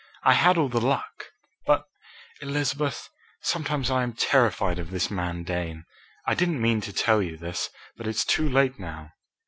I had all the luck. But, Elizabeth, sometimes I am terrified of this man Dane. I didn't mean to tell you this, but it's too late now.